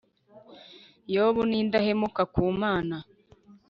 yobu ni indahemuka ku mana